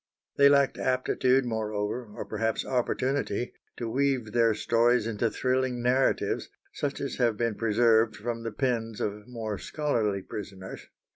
They lacked aptitude, moreover, or perhaps opportunity, to weave their stories into thrilling narratives, such as have been preserved from the pens of more scholarly prisoners.